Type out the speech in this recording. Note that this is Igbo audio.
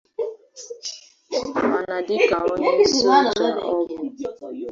mana dịka onye soja ọ bụ